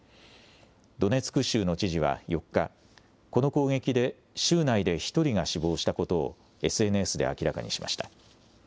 ドネツク州の知事は４日、この攻撃で、州内で１人が死亡したことをＳＮＳで明らかにしました。